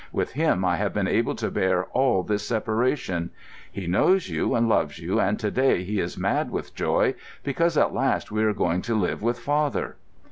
With him I have been able to bear all this separation. He knows you and loves you, and to day he is mad with joy, because, at last, we are going to live with father.